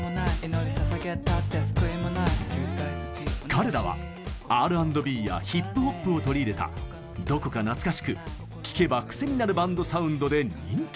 彼らはＲ＆Ｂやヒップポップを取り入れたどこか懐かしく聴けばクセになるバンドサウンドで人気に。